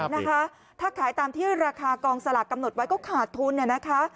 นะคะถ้าขายตามที่ราคากองสลากกำหนดไว้ก็ขาดทุนเนี่ยนะคะ